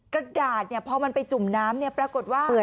กระดาษเนี่ยพอมันไปจุ่มน้ำเนี่ยปรากฏว่า